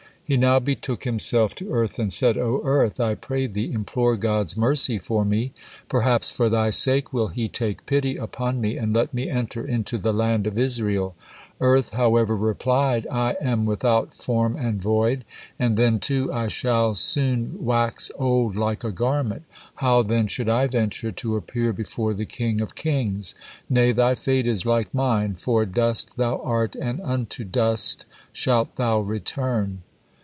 He now betook himself to Earth and said: "O Earth, I pray thee, implore God's mercy for me. Perhaps for thy sake will He take pity upon me and let me enter into the land of Israel." Earth, however, replied: "I am 'without form and void,' and then too I shall son 'wax old like a garment.' How then should I venture to appear before the King of kings? Nay, thy fate is like mine, for 'dust thou art, and unto dust shalt thou return.'"